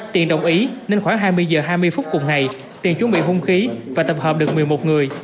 tiền đồng ý nên khoảng hai mươi h hai mươi phút cùng ngày tiền chuẩn bị hung khí và tập hợp được một mươi một người